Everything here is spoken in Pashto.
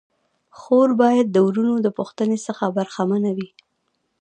خور باید د وروڼو د پوښتني څخه برخه منه وي.